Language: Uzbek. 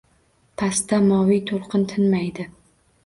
Pastda moviy to‘lqin tinmaydi